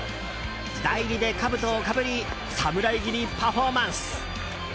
代理でかぶとをかぶり侍切りパフォーマンス！